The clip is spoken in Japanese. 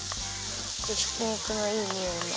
ひき肉のいいにおいだ。